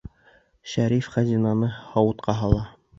Шәриф хазинаны һауытҡа һала.